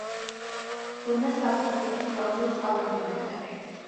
რონა საფრანგეთის ყველაზე წყალუხვი მდინარეა.